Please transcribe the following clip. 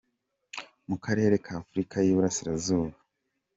Mu Karere ka Afurika y’i Burasirazuba.